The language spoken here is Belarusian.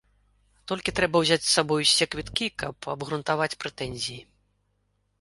Толькі трэба ўзяць з сабой усе квіткі, каб абгрунтаваць прэтэнзіі.